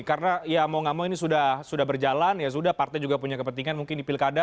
karena ya mau nggak mau ini sudah berjalan ya sudah partai juga punya kepentingan mungkin di pilkada